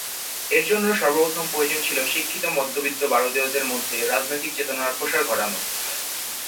এর জন্য সর্বপ্রথম প্রয়োজন ছিল শিক্ষিত মধ্যবিত্ত ভারতীয়দের মধ্যে রাজনৈতিক চেতনার প্রসার ঘটানো।